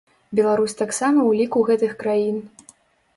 Беларусь таксама ў ліку гэтых краін.